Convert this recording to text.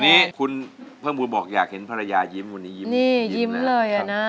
วันนี้คุณเพิ่มบุญบอกอยากเห็นภรรยายิ้มวันนี้ยิ้มยิ้มเลยชนะ